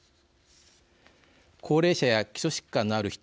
高齢者や基礎疾患のある人